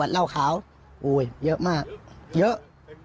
เหล้าขาวโอ้ยเยอะมากเยอะ